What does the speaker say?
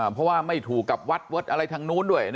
เพราะว่าไม่ถูกกับวัดวัดอะไรทางนู้นด้วย